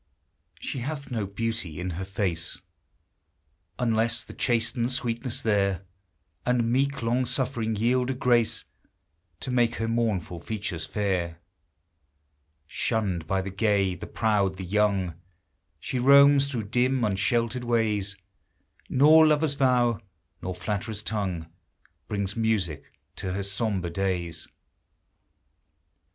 She hath no beauty in her face Unless the chastened sweetness there, And meek long suffering, yield a grace To make her mournful features fair :— Shunned by the gay, the proud, the young, She roams through dim, unsheltered ways; Nor lover's vow, nor flatterer's tongue Brings music to her sombre days ;—• SU THE HIGHER LIFE.